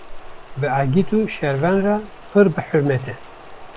ji egît û şervan re pir bi hurrmet e.